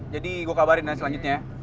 jadi gue kabarin nanti selanjutnya ya